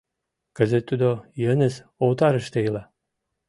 Кызыт тудо Йыныс отарыште ила.